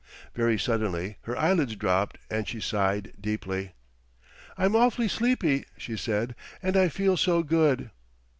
Very suddenly her eyelids dropped and she sighed deeply. "I'm awfully sleepy," she said, "and I feel so good."